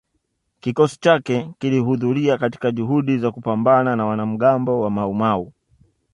Kikosi chake kilihudhuria katika juhudi za kupambana na wanamgambo wa Maumau